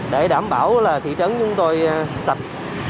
để đảm bảo là thị trấn chúng tôi sạch